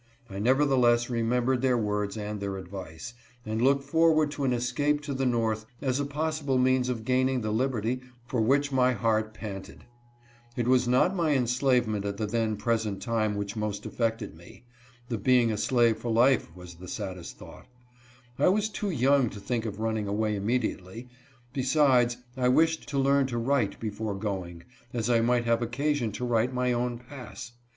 I nevertheless remembered their words and their advice, and looked forward to an escape to the north as a possible means of gaining the liberty for which my heart panted. It was not my enslavement at the then present 114 LEARNING TO WRITE. time wT n'p.h mnst affected me ; the being fl .slave fot^MM was the saddest thought. I was too y^ojmg__lo_.think of running awa^k»Hiedutfily ; besides, I wishe4_to learn to write before going, as I might haye__£>ccasion to write my own pass.